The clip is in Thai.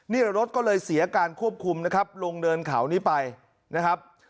นี่รถก็เลยเสียการควบคุมนะครับลงเนินเขานี้ไปนะครับ